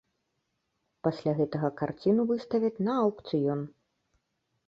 Пасля гэтага карціну выставяць на аўкцыён.